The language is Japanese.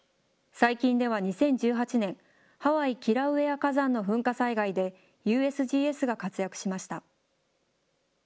最近では２０１８年、ハワイ・キラウエア火山の噴火災害で、ＵＳＧＳが活躍しました。